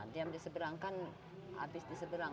diam diseberangkan habis diseberang